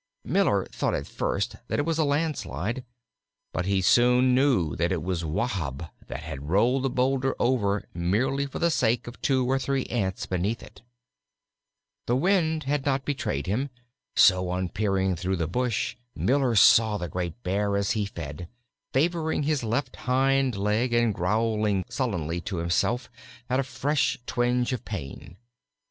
Miller thought at first that it was a land slide; but he soon knew that it was Wahb that had rolled the boulder over merely for the sake of two or three ants beneath it. The wind had not betrayed him, so on peering through the bush Miller saw the great Bear as he fed, favoring his left hind leg and growling sullenly to himself at a fresh twinge of pain.